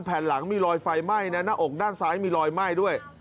แผ่นหลังมีรอยไฟไหม้นะหน้าอกด้านซ้ายมีรอยไหม้ด้วย